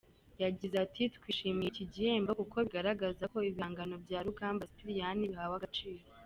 Yagize ati “Twishimiye iki gihembo kuko bigaragaza ko ibihangano bya Rugamba Sipiriyani bihawe agaciro.